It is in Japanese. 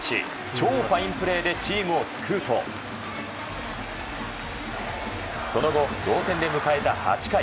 超ファインプレーでチームを救うとその後、同点で迎えた８回。